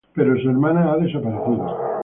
Pero su hermana ha desaparecido.